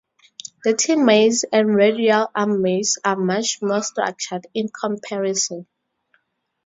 The T-maze and radial arm maze are much more structured in comparison.